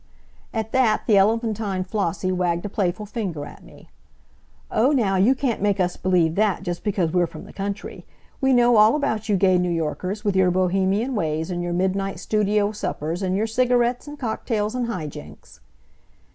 At that the elephantine Flossie wagged a playful finger at me. "Oh, now, you can't make us believe that, just because we're from the country! We know all about you gay New Yorkers, with your Bohemian ways and your midnight studio suppers, and your cigarettes, and cocktails and high jinks!"